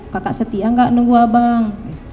kakak setia nggak nunggu abang